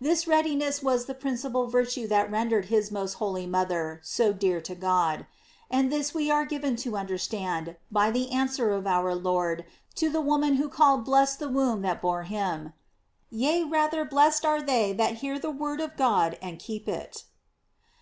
This readiness was the principal virtue that rendered his most holy mother so dear to God. And this we are given to understand by the answer of our Lord to the woman who called blessed the womb that bore him: "Yea rather blessed are they that hear the word of God and keep it."